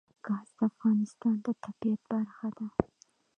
ګاز د افغانستان د طبیعت برخه ده.